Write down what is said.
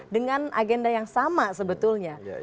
dengan agenda yang sama sebetulnya